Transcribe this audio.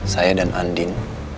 saya dan andin